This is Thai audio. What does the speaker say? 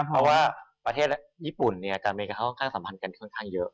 เพราะว่าประเทศญี่ปุ่นกับอเมริกาเขาค่อนข้างสัมพันธ์กันค่อนข้างเยอะ